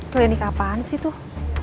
klinik kapan sih tuh